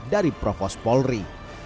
dari profos polri